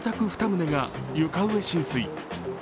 ２棟が床上浸水。